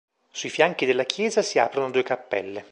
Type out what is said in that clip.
Sui fianchi della chiesa si aprono due cappelle.